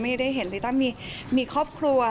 ได้เห็นลิต้ามีครอบครัว